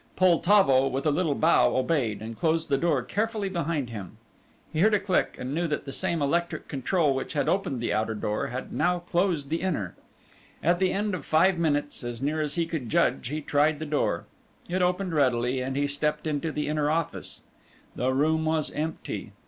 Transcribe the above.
Poltavo, with a little bow, obeyed, and closed the door carefully behind him. He heard a click, and knew that the same electric control which had opened the outer door had now closed the inner. At the end of five minutes, as near as he could judge, he tried the door. It opened readily and he stepped into the inner office. The room was empty.